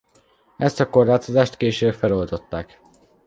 Ezt a korlátozást később feloldották.